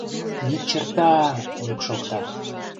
— Ни черта-а-а! — йӱк шокта.